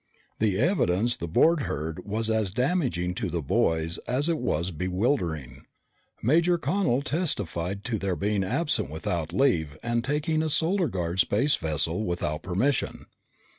The evidence the board heard was as damaging to the boys as it was bewildering. Major Connel testified to their being absent without leave and taking a Solar Guard space vessel without permission.